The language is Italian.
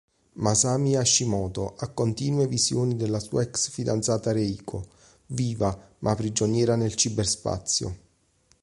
Masami Hashimoto ha continue visioni della sua ex-fidanzata Reiko, viva ma prigioniera nel cyberspazio.